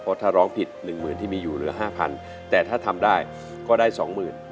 เพราะถ้าร้องผิดหนึ่งหมื่นที่มีอยู่เหลือห้าพันแต่ถ้าทำได้ก็ได้สองหมื่น